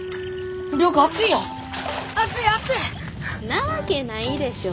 なわけないでしょ。